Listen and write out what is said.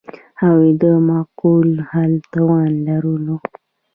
هغوی د معقول حل توان لرلو.